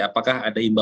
apakah ada himbawan